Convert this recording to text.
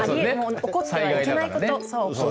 起こってはいけない事。